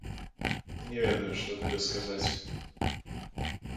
Не ведаю, што табе сказаць.